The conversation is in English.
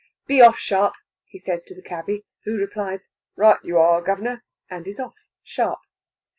"Be off sharp!" he says to the cabby, who replies, "Right you are, governor!" and is off, sharp.